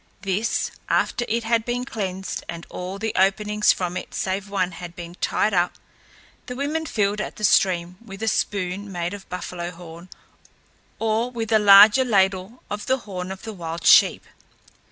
This, after it had been cleansed and all the openings from it save one had been tied up, the women filled at the stream with a spoon made of buffalo horn or with a larger ladle of the horn of the wild sheep.